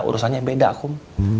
urusannya beda kom